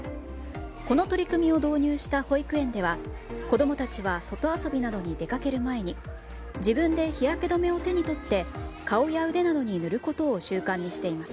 この取り組みを導入した保育園では子供たちは外遊びなどに出かける前に自分で日焼け止めを手に取って顔や腕などに塗ることを習慣にしています。